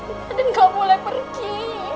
mbak andin gak boleh pergi